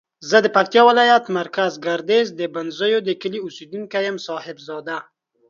زه د پکتیاولایت مرکز ګردیز د بنزیو دکلی اوسیدونکی یم صاحب زاده